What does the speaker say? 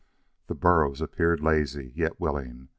The burros appeared lazy, yet willing.